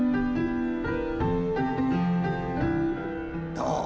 ［どう？